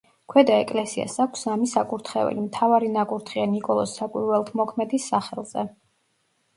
ქვედა ეკლესიას აქვს სამი საკურთხეველი: მთავარი ნაკურთხია ნიკოლოზ საკვირველთმოქმედის სახელზე.